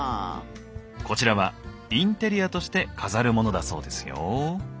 こちらはインテリアとして飾るものだそうですよ。